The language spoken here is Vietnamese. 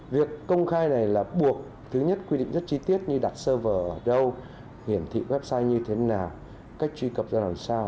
việc công khai này là buộc thứ nhất quy định rất chi tiết như đặt server ở đâu hiển thị website như thế nào cách truy cập ra làm sao